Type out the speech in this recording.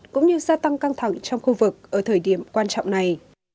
cũng như gia tăng căng thẳng trong khu vực ở thời điểm quan trọng này